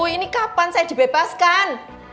ini kapan saya dibebaskan